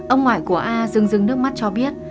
ông ngoại của a dưng dưng nước mắt cho biết